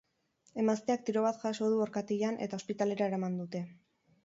Emazteak tiro bat jaso du orkatilan eta ospitalera eraman dute.